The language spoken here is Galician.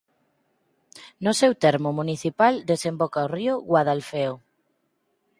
No seu termo municipal desemboca o río Guadalfeo.